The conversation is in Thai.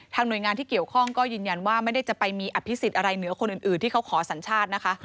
หน่วยงานที่เกี่ยวข้องก็ยืนยันว่าไม่ได้จะไปมีอภิษฎอะไรเหนือคนอื่นที่เขาขอสัญชาตินะคะ